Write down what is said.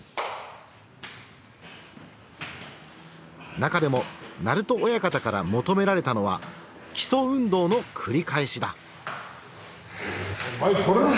中でも鳴戸親方から求められたのは基礎運動の繰り返しだ。